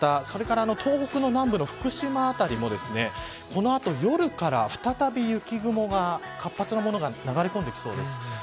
それから東北の南部の福島辺りもこの後、夜から再び雪雲が活発なものが流れ込んできそうです。